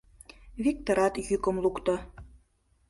— Виктырат йӱкым лукто.